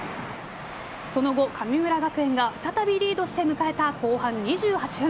その後神村学園が再びリードして迎えた後半２８分。